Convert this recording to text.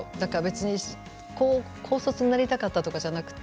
高卒になりたかったとかじゃなくて。